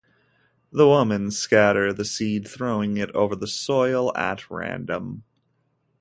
The women scatter the seed, throwing it over the soil at random.